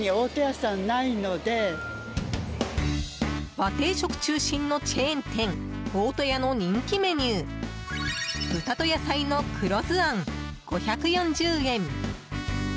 和定食中心のチェーン店大戸屋の人気メニュー豚と野菜の黒酢あん、５４０円。